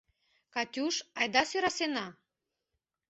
— Катюш, айда сӧрасена.